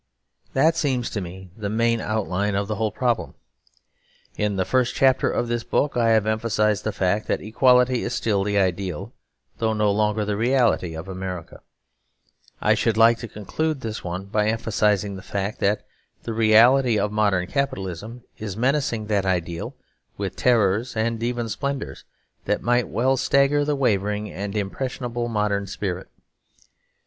That seems to me the main outline of the whole problem. In the first chapter of this book, I have emphasised the fact that equality is still the ideal though no longer the reality of America. I should like to conclude this one by emphasising the fact that the reality of modern capitalism is menacing that ideal with terrors and even splendours that might well stagger the wavering and impressionable modern spirit.